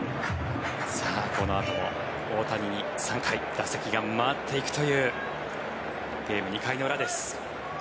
このあとも大谷に３回打席が回っていくというゲーム、２回の裏です。